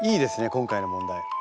今回の問題。